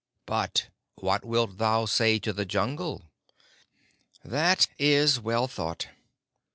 But what wilt thou say to the Jungle?" "That is well thought.